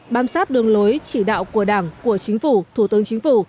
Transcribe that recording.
bám sát đường lối chỉ đạo của đảng của chính phủ thủ tướng chính phủ